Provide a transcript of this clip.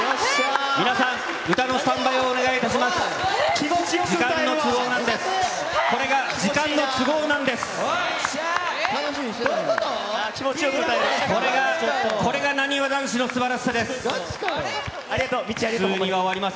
皆さん、歌のスタンバイをお願いいたします。